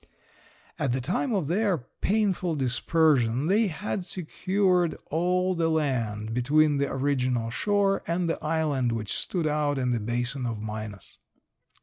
At the time of their painful dispersion they had secured all the land between the original shore and the island which stood out in the basin of Minas.